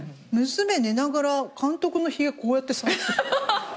娘寝ながら監督のひげこうやって触って。